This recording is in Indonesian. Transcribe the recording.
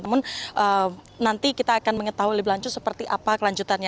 namun nanti kita akan mengetahui lebih lanjut seperti apa kelanjutannya